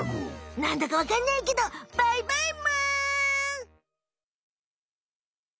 なんだかわかんないけどバイバイむ！